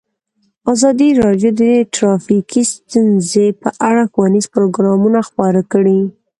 ازادي راډیو د ټرافیکي ستونزې په اړه ښوونیز پروګرامونه خپاره کړي.